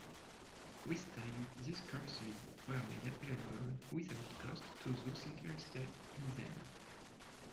With time, these courses were made available without cost to those interested in them.